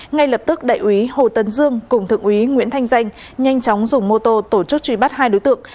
ngay lập tức đại úy hồ tấn dương cùng thượng úy nguyễn thanh danh nhanh chóng dùng mô tô tổ chức truy bắt hai đối tượng